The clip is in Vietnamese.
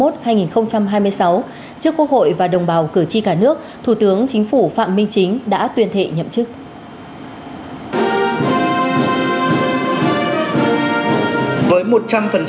trước quốc hội và đồng bào cử tri cả nước thủ tướng chính phủ phạm minh chính đã tuyên thệ nhậm chức